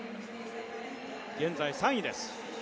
現在３位です。